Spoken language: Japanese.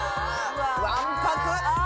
わんぱく！